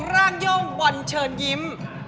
วันเชิญยิ้ม